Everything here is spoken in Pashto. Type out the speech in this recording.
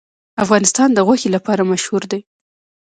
افغانستان د غوښې لپاره مشهور دی.